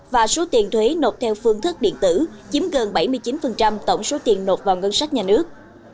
và số tiền thuế nộp theo phương thức điện tử chiếm gần bảy mươi chín tổng số tiền nộp vào ngân sách nhà nước